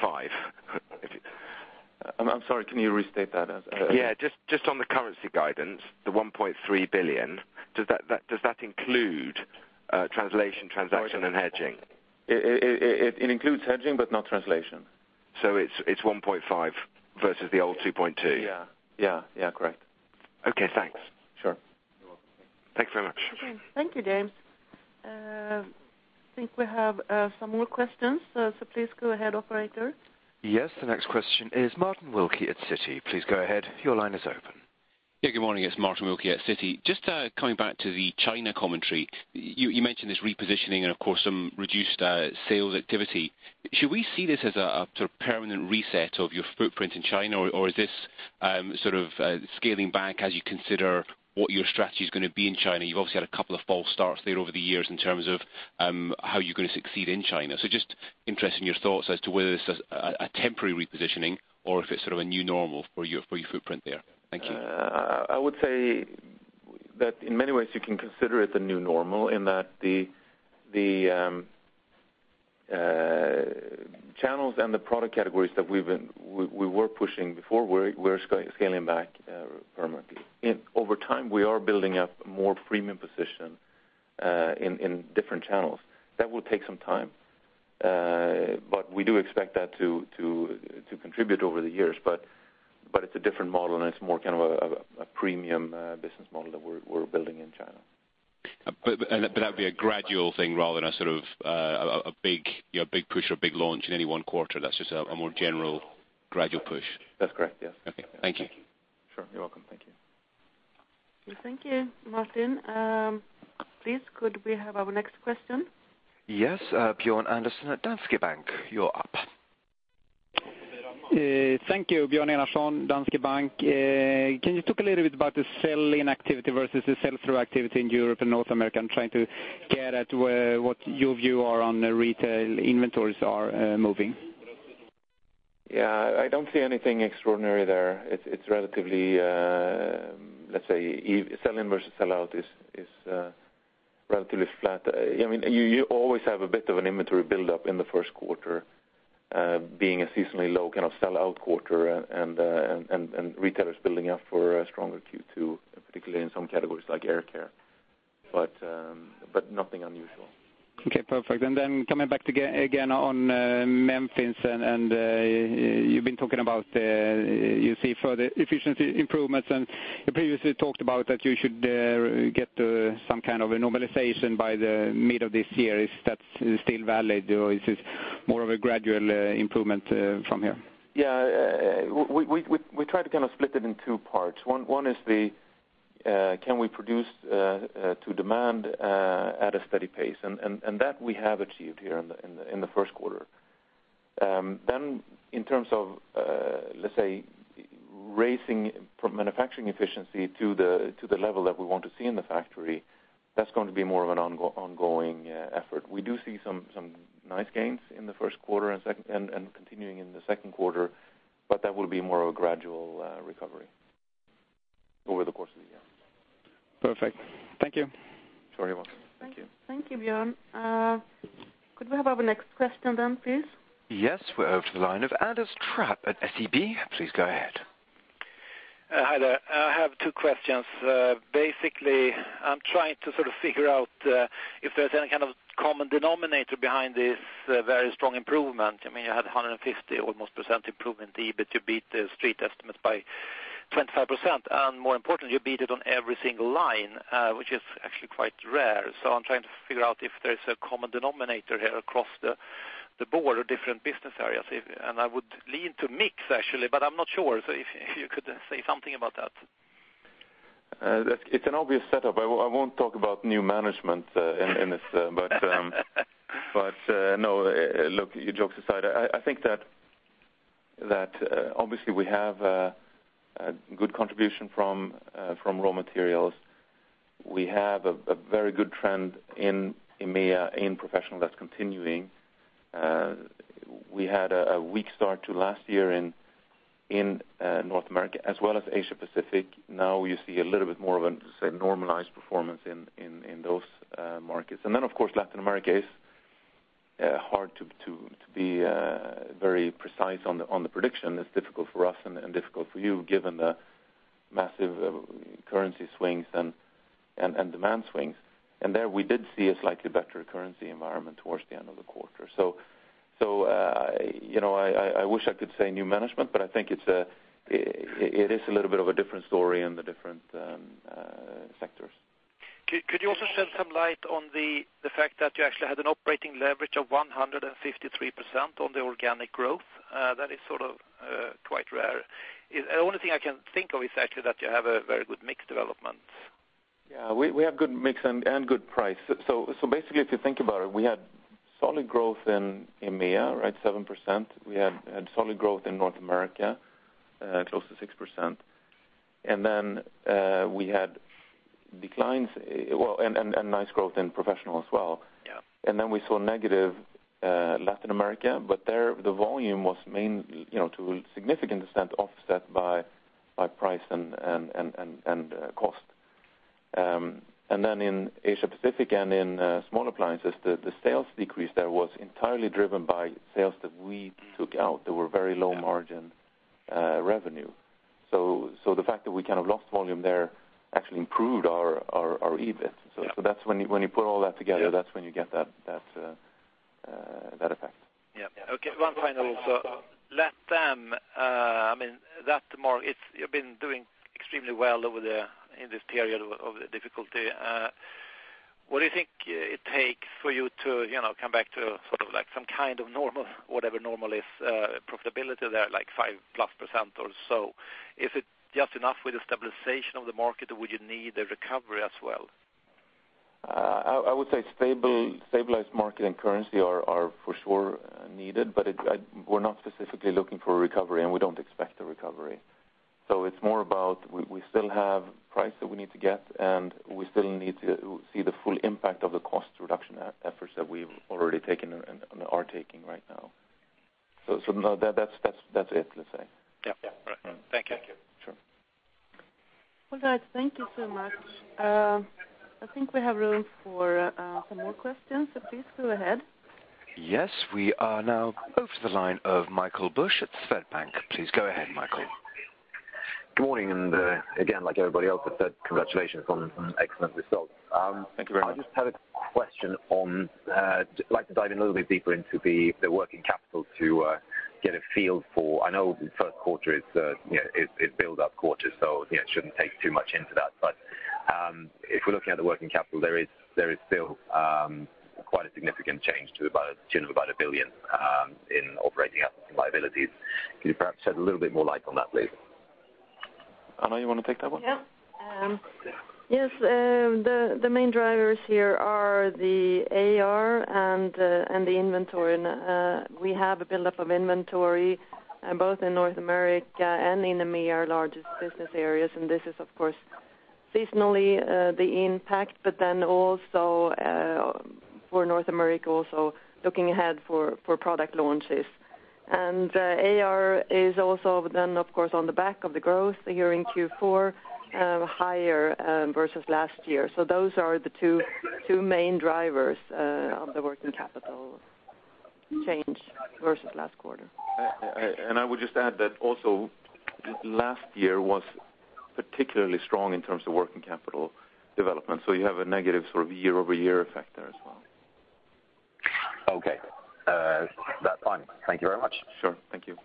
I'm sorry, can you restate that as? Yeah, just on the currency guidance, the 1.3 billion, Does that include translation, transaction and hedging? It includes hedging, but not translation. It's 1.5 versus the old 2.2. Yeah. Yeah, yeah, correct. Okay, thanks. Sure. You're welcome. Thanks very much. Thank you, James. I think we have some more questions. Please go ahead, operator. The next question is Martin Wilkie at Citi. Please go ahead. Your line is open. Good morning. It's Martin Wilkie at Citi. Just coming back to the China commentary, you mentioned this repositioning and, of course, some reduced sales activity. Should we see this as a sort of permanent reset of your footprint in China, or is this sort of scaling back as you consider what your strategy is going to be in China? You've obviously had a couple of false starts there over the years in terms of how you're going to succeed in China. Just interested in your thoughts as to whether this is a temporary repositioning or if it's sort of a new normal for your footprint there. Thank you. I would say that in many ways, you can consider it the new normal, in that the channels and the product categories that we were pushing before, we're scaling back permanently. Over time, we are building up a more premium position in different channels. That will take some time, but we do expect that to contribute over the years. It's a different model, and it's more kind of a premium business model that we're building in China. That'd be a gradual thing rather than a sort of, a big, you know, big push or big launch in any one quarter. That's just a more general, gradual push. That's correct, yes. Okay, thank you. Sure. You're welcome. Thank you. Thank you, Martin. Please, could we have our next question? Yes, Björn Enarson at Danske Bank, you're up. Thank you, Björn Enarson, Danske Bank. Can you talk a little bit about the sell-in activity versus the sell-through activity in Europe and North America? I'm trying to get at where, what your view are on the retail inventories are, moving. Yeah, I don't see anything extraordinary there. It's relatively, let's say, sell-in versus sell out is relatively flat. I mean, you always have a bit of an inventory buildup in the first quarter, being a seasonally low kind of sell-out quarter and retailers building up for a stronger Q2, particularly in some categories like Air Care. nothing unusual. Okay, perfect. Coming back again on Memphis and, you've been talking about, you see further efficiency improvements, and you previously talked about that you should get some kind of a normalization by the middle of this year. Is that still valid, or is this more of a gradual improvement from here? Yeah, we try to kind of split it in two parts. One is the, can we produce to demand at a steady pace? That we have achieved here in the first quarter. In terms of, let's say, raising from manufacturing efficiency to the level that we want to see in the factory, that's going to be more of an ongoing effort. We do see some nice gains in the first quarter and second, and continuing in the second quarter, but that will be more of a gradual recovery over the course of the year. Perfect. Thank you. You're very welcome. Thank you. Thank you, Björn. Could we have our next question then, please? Yes, we're over to the line of Anders Trapp at SEB. Please go ahead. Hi there. I have two questions. basically, I'm trying to sort of figure out if there's any kind of common denominator behind this very strong improvement. I mean, you had a 150, almost % improvement, EBIT, you beat the street estimates by 25%. More importantly, you beat it on every single line, which is actually quite rare. I'm trying to figure out if there's a common denominator here across the board or different business areas. I would lean to mix actually, but I'm not sure. If you could say something about that. us setup. I won't talk about new management in this. But, no, look, jokes aside, I think that obviously we have a good contribution from raw materials. We have a very good trend in EMEA, in professional that's continuing. We had a weak start to last year in North America as well as Asia Pacific. Now you see a little bit more of a, say, normalized performance in those markets. Then, of course, Latin America is hard to be very precise on the prediction. It's difficult for us and difficult for you, given the massive currency swings and demand swings. There, we did see a slightly better currency environment towards the end of the quarter. So, you know, I wish I could say new management, but I think it is a little bit of a different story in the different sectors. Could you also shed some light on the fact that you actually had an operating leverage of 153% on the organic growth? That is sort of quite rare. The only thing I can think of is actually that you have a very good mix development. Yeah, we have good mix and good price. Basically, if you think about it, we had solid growth in EMEA, right? 7%. We had solid growth in North America, close to 6%. Then we had declines, well, and nice growth in professional as well. Yeah. Then we saw negative Latin America, but there, the volume was you know, to a significant extent, offset by price and cost. Then in Asia Pacific and in small appliances, the sales decrease there was entirely driven by sales that we took out, that were very low margin revenue. The fact that we kind of lost volume there actually improved our EBIT. Yeah. that's when you put all that together. Yeah that's when you get that effect. Yeah. Okay, one final also. Latam, I mean, that market, you've been doing extremely well over the, in this period of the difficulty. What do you think it takes for you to, you know, come back to sort of like some kind of normal, whatever normal is, profitability there, like 5%+ or so? Is it just enough with the stabilization of the market, or would you need a recovery as well? I would say stable, stabilized market and currency are for sure needed, it we're not specifically looking for a recovery, and we don't expect a recovery. It's more about we still have price that we need to get, and we still need to see the full impact of the cost reduction efforts that we've already taken and are taking right now. No, that's it, let's say. Yeah, yeah. All right. Thank you. Sure. Well, guys, thank you so much. I think we have room for some more questions, please go ahead. Yes, we are now over to the line of Mikael Busch at Swedbank. Please go ahead, Mikael. Good morning, again, like everybody else has said, congratulations on some excellent results. Thank you very much. I just had a question on, I'd like to dive in a little bit deeper into the working capital to, get a feel for. I know the first quarter is, you know, it builds up quarters, so, you know, it shouldn't take too much into that. If we're looking at the working capital, there is, there is still, quite a significant change to about, tune of about 1 billion, in operating liabilities. Can you perhaps shed a little bit more light on that, please? Anna, you want to take that one? Yeah. Yes, the main drivers here are the AR and the inventory. We have a buildup of inventory both in North America and in EMEA, our largest business areas. This is, of course, seasonally the impact, also for North America, also looking ahead for product launches. AR is also then, of course, on the back of the growth here in Q4, higher versus last year. Those are the two main drivers of the working capital change versus last quarter. I would just add that also last year was particularly strong in terms of working capital development, so you have a negative sort of year-over-year effect there as well. Okay. That's fine. Thank you very much. Sure. Thank you.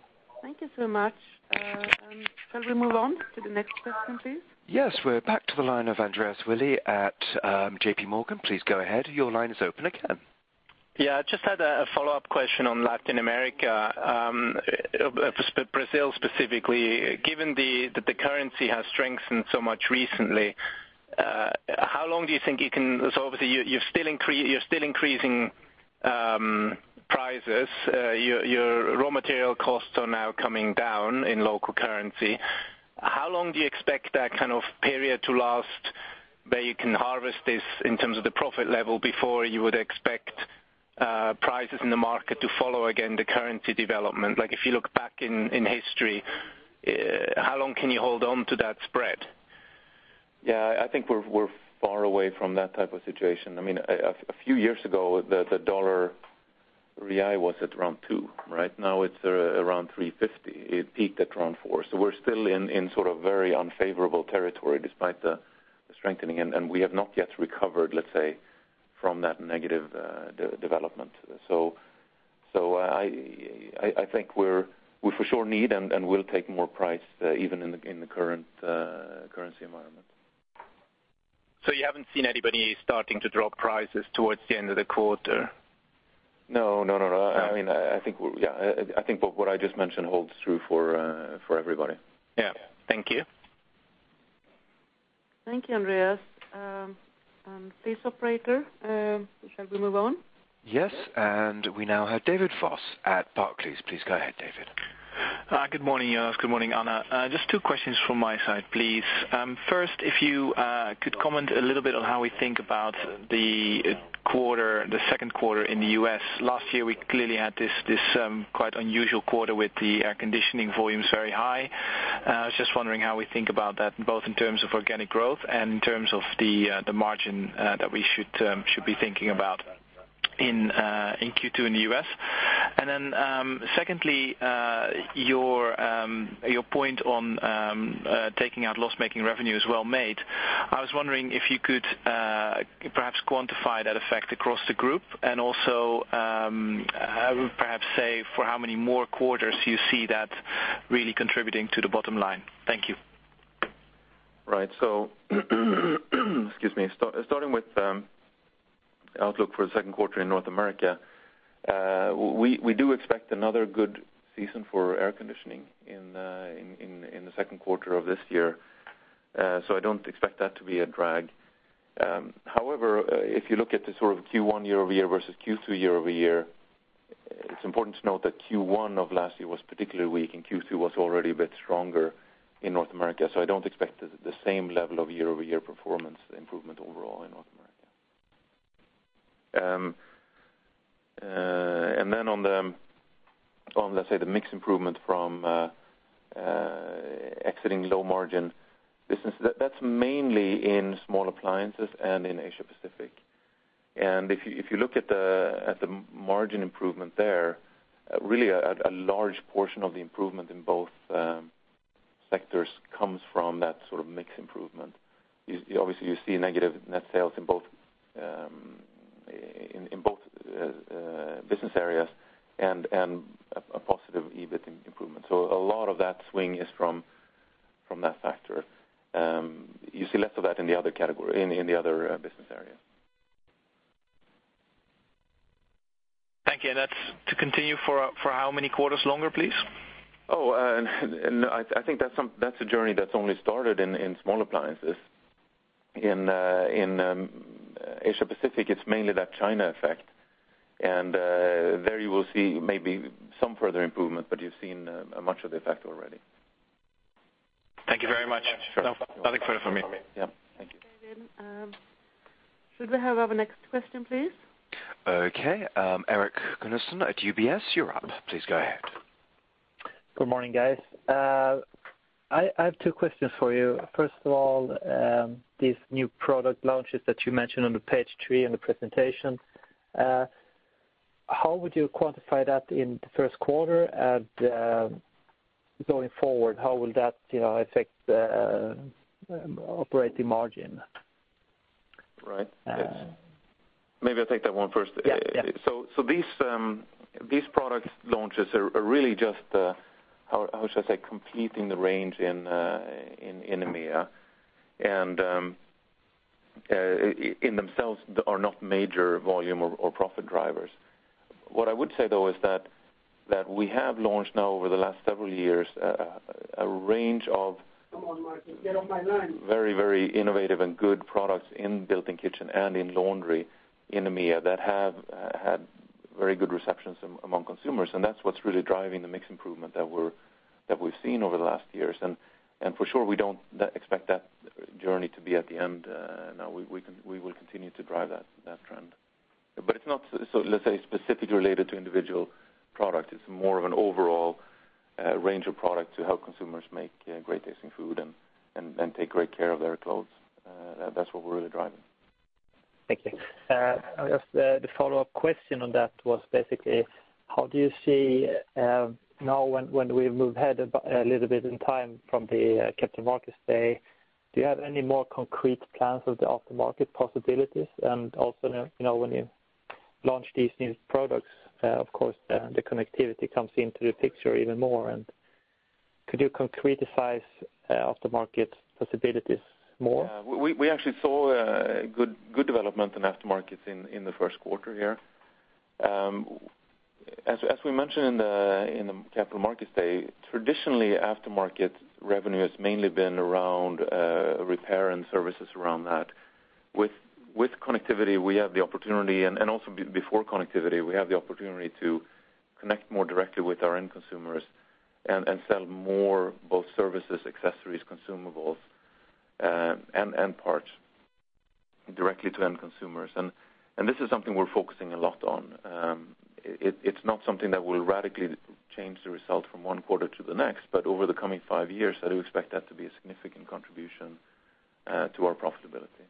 Thank you so much. Shall we move on to the next question, please? We're back to the line of Andreas Willi at JPMorgan. Please go ahead. Your line is open again. I just had a follow-up question on Latin America, Brazil specifically. Given the, that the currency has strengthened so much recently, how long do you think you can so obviously, you're still increasing, prices. Your raw material costs are now coming down in local currency. How long do you expect that kind of period to last, where you can harvest this in terms of the profit level before you would expect, prices in the market to follow again, the currency development? Like, if you look back in history, how long can you hold on to that spread? Yeah, I think we're far away from that type of situation. I mean, a few years ago, the dollar-real was at around two, right? Now it's around 3.50. It peaked at around four. We're still in sort of very unfavorable territory despite the strengthening, and we have not yet recovered, let's say, from that negative development. I think we for sure need and will take more price even in the current currency environment. You haven't seen anybody starting to drop prices towards the end of the quarter? No, no, no. I mean, I think, yeah, I think what I just mentioned holds true for everybody. Yeah. Thank you. Thank you, Andreas. Please, operator, shall we move on? Yes, we now have Timothy Lee at Barclays. Please go ahead, David. Hi, good morning, Jonas. Good morning, Anna. Just two questions from my side, please. First, if you could comment a little bit on how we think about the quarter, the second quarter in the U.S. Last year, we clearly had this quite unusual quarter with the air conditioning volumes very high. I was just wondering how we think about that, both in terms of organic growth and in terms of the margin that we should be thinking about in Q2 in the U.S. Secondly, your point on taking out loss-making revenue is well made. I was wondering if you could perhaps quantify that effect across the group, and also, perhaps say for how many more quarters you see that really contributing to the bottom line. Thank you. Right. Excuse me, starting with outlook for the second quarter in North America, we do expect another good season for air conditioning in the second quarter of this year. I don't expect that to be a drag. However, if you look at the sort of Q1 year-over-year versus Q2 year-over-year, it's important to note that Q1 of last year was particularly weak, and Q2 was already a bit stronger in North America. I don't expect the same level of year-over-year performance improvement overall in North America. Then on the, let's say, the mix improvement from exiting low margin business, that's mainly in small appliances and in Asia Pacific. If you, if you look at the, at the margin improvement there, really a large portion of the improvement in both sectors comes from that sort of mix improvement. You, obviously, you see negative net sales in both business areas and a positive EBIT improvement. A lot of that swing is from that factor. You see less of that in the other category, in the other business areas. Thank you. That's to continue for how many quarters longer, please? I think that's a journey that's only started in small appliances. In Asia Pacific, it's mainly that China effect, there you will see maybe some further improvement, but you've seen much of the effect already. Thank you very much. No, another quarter for me. Yeah. Thank you. Should we have our next question, please? Okay. Hai Huynh at UBS, you're up. Please go ahead. Good morning, guys. I have two questions for you. First of all, these new product launches that you mentioned on page 3 in the presentation, how would you quantify that in the first quarter? Going forward, how will that, you know, affect the operating margin? Right? Yes. Maybe I'll take that one first. Yeah, yeah. These product launches are really just how should I say, completing the range in EMEA, and in themselves are not major volume or profit drivers. What I would say, though, is that we have launched now over the last several years, a range of... Come on, Martin, get off my line. Very, very innovative and good products in built-in kitchen and in laundry in EMEA that have had very good receptions among consumers, and that's what's really driving the mix improvement that we've seen over the last years. For sure, we don't expect that journey to be at the end. No, we will continue to drive that trend. It's not so, let's say, specifically related to individual product. It's more of an overall range of product to help consumers make great-tasting food and take great care of their clothes. That's what we're really driving. Thank you. Just the follow-up question on that was basically, how do you see, now when we move ahead a little bit in time from the Capital Markets Day, do you have any more concrete plans of the aftermarket possibilities? Also, now, you know, when you launch these new products, of course, the connectivity comes into the picture even more. Could you concretize aftermarket possibilities more? We actually saw good development in aftermarkets in the first quarter here. As we mentioned in the Capital Markets Day, traditionally, aftermarket revenue has mainly been around repair and services around that. With connectivity, we have the opportunity, and also before connectivity, we have the opportunity to connect more directly with our end consumers and sell more, both services, accessories, consumables, and parts directly to end consumers. This is something we're focusing a lot on. It's not something that will radically change the result from one quarter to the next, but over the coming five years, I do expect that to be a significant contribution to our profitability.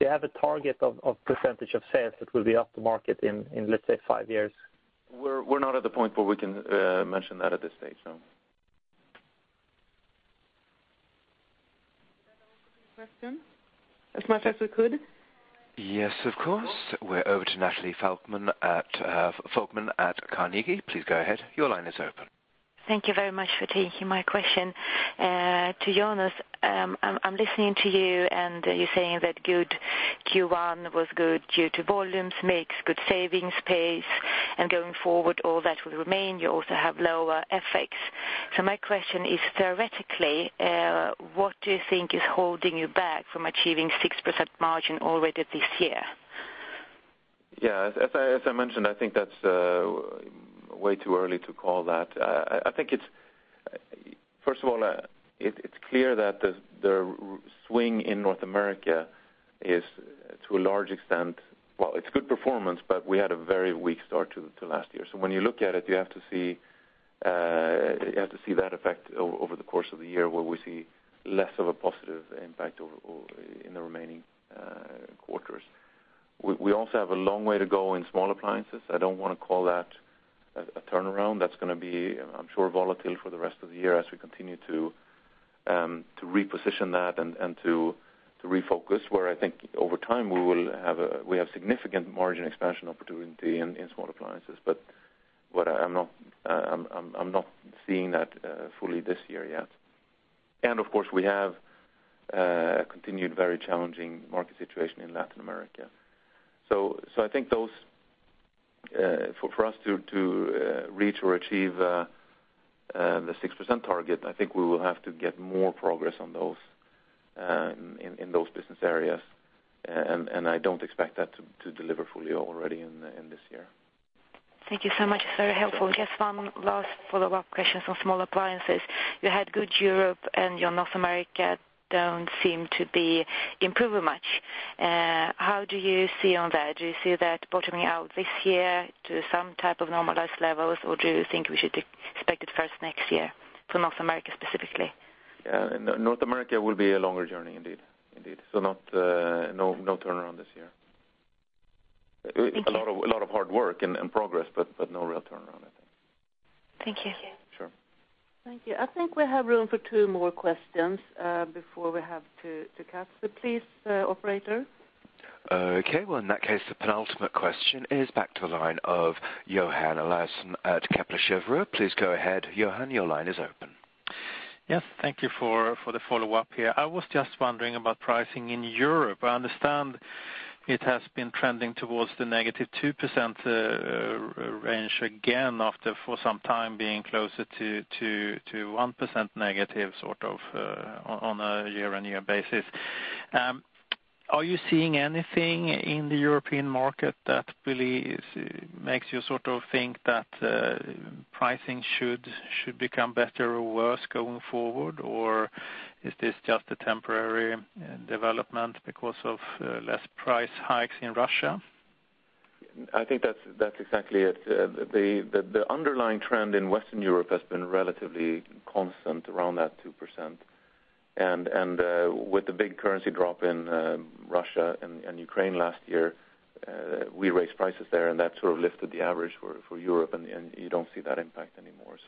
Do you have a target of percentage of sales that will be up to market in, let's say, five years? We're not at the point where we can mention that at this stage, so. Question? As much as we could. Yes, of course. We're over to Henrik Christiansson at Carnegie. Please go ahead. Your line is open. Thank you very much for taking my question. to Jonas, I'm listening to you. You're saying that good Q1 was good due to volumes, mix, good savings pace, and going forward, all that will remain. You also have lower FX. My question is, theoretically, what do you think is holding you back from achieving 6% margin already this year? Yeah, as I mentioned, I think that's way too early to call that. I think it's. First of all, it's clear that the swing in North America is, to a large extent, well, it's good performance, but we had a very weak start to last year. When you look at it, you have to see that effect over the course of the year, where we see less of a positive impact over in the remaining quarters. We also have a long way to go in small appliances. I don't want to call that a turnaround. That's gonna be, I'm sure, volatile for the rest of the year as we continue to reposition that and to refocus, where I think over time, we have significant margin expansion opportunity in small appliances. What I'm not, I'm not seeing that fully this year yet. Of course, we have continued very challenging market situation in Latin America. I think those for us to reach or achieve the 6% target, I think we will have to get more progress on those in those business areas. I don't expect that to deliver fully already in this year. Thank you so much. It's very helpful. Just one last follow-up question on small appliances. You had good Europe, and your North America don't seem to be improving much. How do you see on that? Do you see that bottoming out this year to some type of normalized levels, or do you think we should expect it first next year for North America, specifically? Yeah. North America will be a longer journey, indeed. Indeed. Not, no turnaround this year. Thank you. A lot of hard work and progress, but no real turnaround, I think. Thank you. Sure. Thank you. I think we have room for two more questions, before we have to close. Please, operator? Okay. Well, in that case, the penultimate question is back to the line of Johan Eliasson at Kepler Cheuvreux. Please go ahead, Johan, your line is open. Yes, thank you for the follow-up here. I was just wondering about pricing in Europe. I understand it has been trending towards the negative 2% range again after for some time being closer to 1% negative, sort of on a year-on-year basis. Are you seeing anything in the European market that really makes you sort of think that pricing should become better or worse going forward, or is this just a temporary development because of less price hikes in Russia? I think that's exactly it. The underlying trend in Western Europe has been relatively constant around that 2%. With the big currency drop in Russia and Ukraine last year, we raised prices there, and that sort of lifted the average for Europe, and you don't see that impact anymore.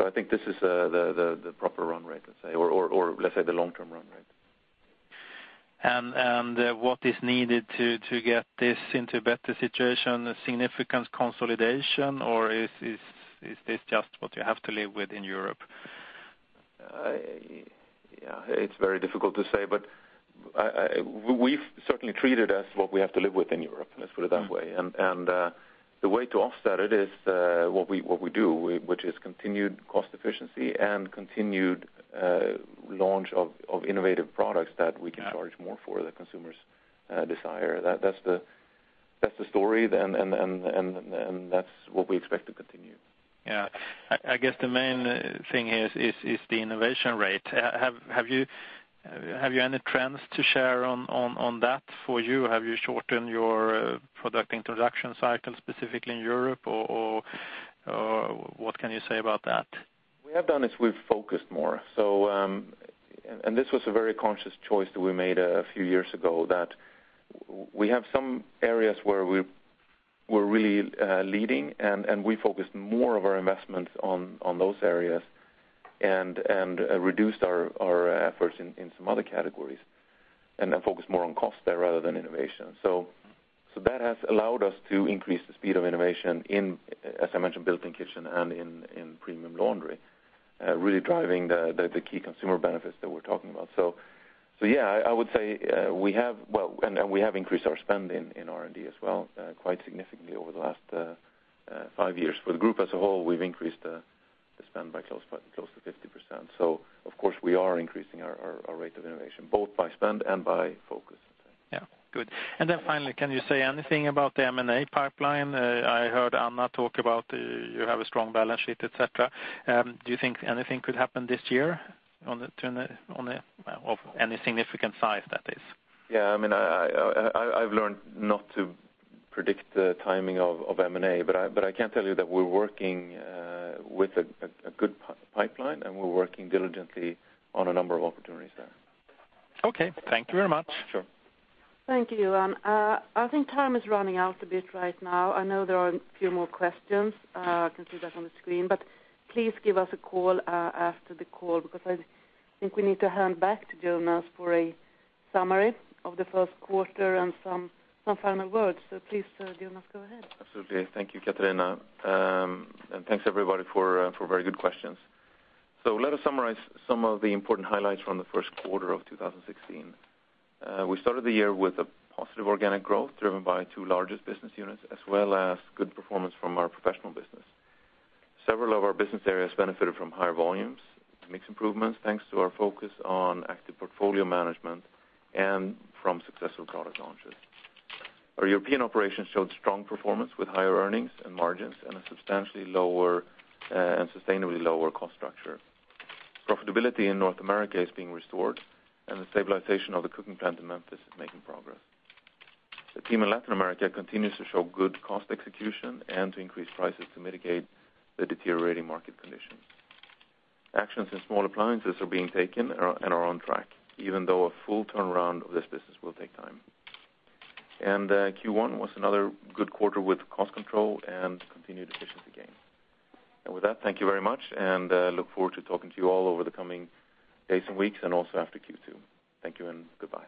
I think this is the proper run rate, let's say, or let's say, the long-term run rate. What is needed to get this into a better situation? A significant consolidation, or is this just what you have to live with in Europe? Yeah, it's very difficult to say, but we've certainly treated as what we have to live with in Europe, let's put it that way. The way to offset it is what we do, which is continued cost efficiency and continued launch of innovative products that we can charge more for the consumers desire. That's the story, and that's what we expect to continue. Yeah. I guess the main thing here is the innovation rate. Have you any trends to share on that for you? Have you shortened your product introduction cycle, specifically in Europe, or what can you say about that? We have done is we've focused more. This was a very conscious choice that we made a few years ago, that we have some areas where we're really leading, and we focused more of our investments on those areas and reduced our efforts in some other categories, and then focused more on cost there rather than innovation. That has allowed us to increase the speed of innovation in, as I mentioned, built-in kitchen and in premium laundry, really driving the key consumer benefits that we're talking about. Yeah, I would say, Well, and we have increased our spend in R&D as well, quite significantly over the last five years. For the group as a whole, we've increased the spend close to 50%. Of course, we are increasing our rate of innovation, both by spend and by focus. Yeah. Good. Finally, can you say anything about the M&A pipeline? I heard Anna talk about, you have a strong balance sheet, et cetera. Do you think anything could happen this year on the, of any significant size, that is? Yeah, I mean, I've learned not to predict the timing of M&A, but I can tell you that we're working with a good pipeline, and we're working diligently on a number of opportunities there. Okay, thank you very much. Sure. Thank you, Johan. I think time is running out a bit right now. I know there are a few more questions. I can see that on the screen. Please give us a call, after the call, because I think we need to hand back to Jonas for a summary of the first quarter and some final words. Please, Jonas, go ahead. Absolutely. Thank you, Catarina. And thanks, everybody, for very good questions. Let us summarize some of the important highlights from the first quarter of 2016. We started the year with a positive organic growth, driven by two largest business units, as well as good performance from our professional business. Several of our business areas benefited from higher volumes, mixed improvements, thanks to our focus on active portfolio management and from successful product launches. Our European operations showed strong performance with higher earnings and margins, and a substantially lower and sustainably lower cost structure. Profitability in North America is being restored, and the stabilization of the cooking plant in Memphis is making progress. The team in Latin America continues to show good cost execution and to increase prices to mitigate the deteriorating market conditions. Actions in small appliances are being taken and are on track, even though a full turnaround of this business will take time. Q1 was another good quarter with cost control and continued efficiency gain. With that, thank you very much, and look forward to talking to you all over the coming days and weeks, and also after Q2. Thank you, and goodbye.